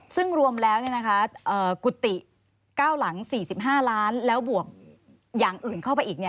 ซึ่งรวมแล้วกุฏิ๙หลัง๔๕ล้านแล้วบวกอย่างอื่นเข้าไปอีก